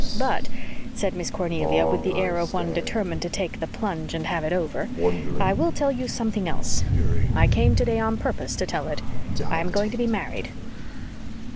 But," said Miss Cornelia, with the air of one determined to take the plunge and have it over, "I will tell you something else. I came today on purpose to tell it. I am going to be married."